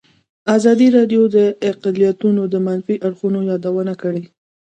ازادي راډیو د اقلیتونه د منفي اړخونو یادونه کړې.